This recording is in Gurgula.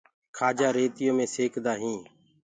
کآجآ ريتيو مي سيڪدآ هينٚ۔